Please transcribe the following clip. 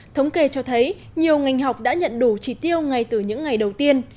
thống kê cho thấy nhiều ngành học đã nhận đủ trị tiêu ngay từ những ngày đầu tiên